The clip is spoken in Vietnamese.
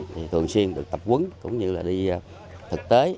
thì thường xuyên được tập quấn cũng như là đi thực tế